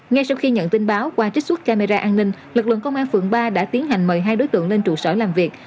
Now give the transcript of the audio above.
ngay sau khi nhận tin báo qua trích xuất camera an ninh lực lượng công an phường ba đã tiến hành mời hai đối tượng lên trụ sở làm việc